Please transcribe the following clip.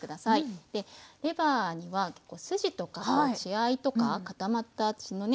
レバーには筋とか血合いとか血のね